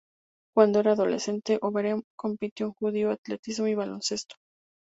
Cuando era adolescente, Overeem compitió en judo, atletismo y baloncesto.